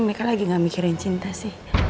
mereka lagi gak mikirin cinta sih